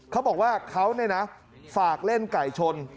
เขาบอกว่าเขาเนี่ยนะฝากเล่นไก่ชน